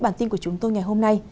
bản tin của chúng tôi ngày hôm nay